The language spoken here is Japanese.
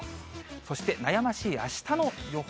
そして悩ましいあしたの予報。